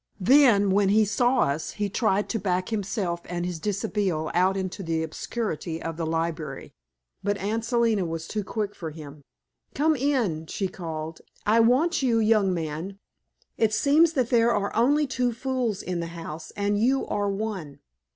Then, when he saw us, he tried to back himself and his dishabille out into the obscurity of the library. But Aunt Selina was too quick for him. "Come in," she called, "I want you, young man. It seems that there are only two fools in the house, and you are one."